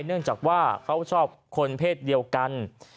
เนื่องจากว่าเขาชอบคนเพศเดียวกัน